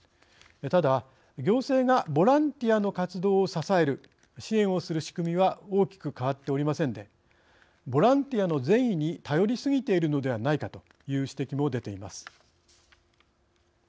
ただ行政がボランティアの活動を支える支援をする仕組みは大きく変わっておりませんでボランティアの善意に頼りすぎているのではないかという指摘も出ています。